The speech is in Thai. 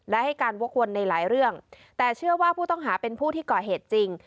และให้การวกวนในหลายเรื่องแต่เชื่อว่าผู้ต้องหาเป็นผู้ที่ก่อเหตุจริง